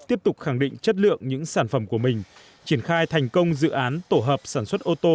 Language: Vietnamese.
tiếp tục khẳng định chất lượng những sản phẩm của mình triển khai thành công dự án tổ hợp sản xuất ô tô